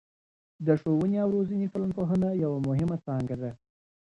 د ښووني او روزني ټولنپوهنه یوه مهمه څانګه ده.